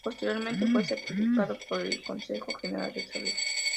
Posteriormente fue Certificado por el Consejo General de Salud.